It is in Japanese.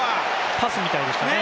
パスみたいでしたね。